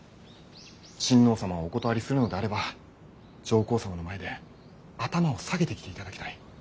親王様をお断りするのであれば上皇様の前で頭を下げてきていただきたい。